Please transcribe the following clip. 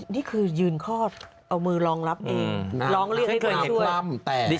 นี่คือยืนคลอดเอามือรองรับดี